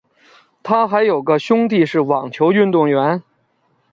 她还有个兄弟是网球运动员。